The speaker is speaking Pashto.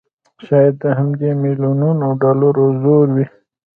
شايد د همدې مليونونو ډالرو زور وي